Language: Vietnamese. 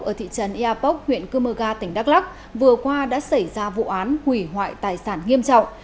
ở thị trấn eapok huyện cơ mơ ga tỉnh đắk lắc vừa qua đã xảy ra vụ án hủy hoại tài sản nghiêm trọng